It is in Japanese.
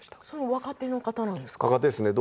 若手の方ですか？